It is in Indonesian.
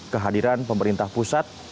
kehadiran pemerintah pusat